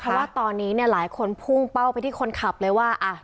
เพราะว่าตอนนี้เนี่ยหลายคนพุ่งเป้าไปที่คนขับเลยว่า